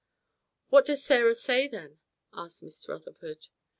"What does Sarah say, then?" asked Miss Rutherford.